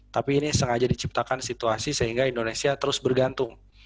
tapi ini sengaja diciptakan situasi sehingga indonesia terus bergantung